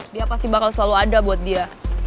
dia pasti bakal selalu ada buat dia